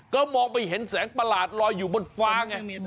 ก็มองไปเห็นแสงประหลาดลอยอยู่บนฟ้าไง